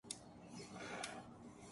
میں توہین برداشت نہیں کروں گا۔